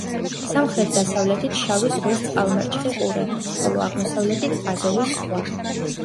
სამხრეთ-დასავლეთით შავი ზღვის წყალმარჩხი ყურე, ხოლო აღმოსავლეთით აზოვის ზღვა.